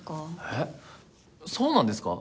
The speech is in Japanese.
えっそうなんですか？